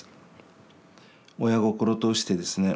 親心としてですね